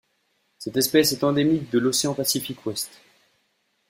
Cette espèce est endémique de l'océan Pacifique Ouest.